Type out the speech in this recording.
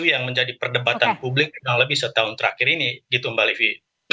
yang menjadi perdebatan publik kurang lebih setahun terakhir ini gitu mbak livi